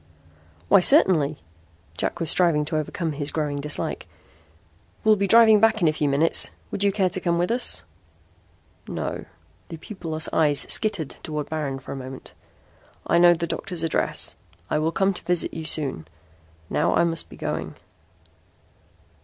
"Why, certainly." Jack was striving to overcome his growing dislike. "We'll be driving back in a few minutes. Would you care to come with us?" "No." The pupilless eyes skittered toward Baron for a moment. "I know the doctor's address. I will come to visit you soon. Now I must be going."